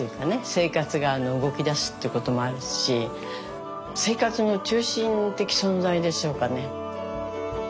生活が動きだすっていうこともあるし生活の中心的存在でしょうかね。